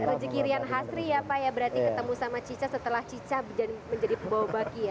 berarti ketemu sama cica setelah cica menjadi pembawa baki ya